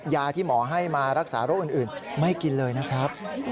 ยาที่หมอให้มารักษาโรคอื่นไม่กินเลยนะครับ